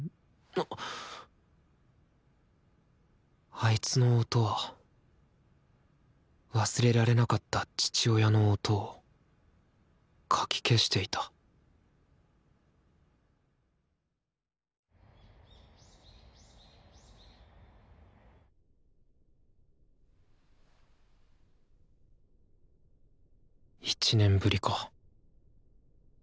あいつの音は忘れられなかった父親の音をかき消していた１年ぶりか。